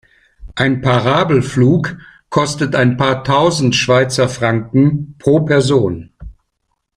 Ein Parabelflug kostet ein paar tausend Schweizer Franken pro Person.